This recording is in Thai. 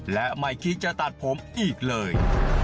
และไม่คิดจะตัดผมอีกเลย